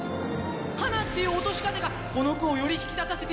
「かな」っていう落とし方がこの句をより引き立たせてる。